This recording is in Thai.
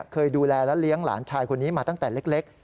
เคยดูแลและเลี้ยงหลานชายคนนี้มาตั้งแต่เล็ก